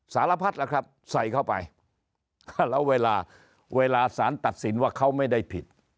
สารพัดล่ะครับใส่เข้าไปแล้วเวลาเวลาสารตัดสินว่าเขาไม่ได้ผิด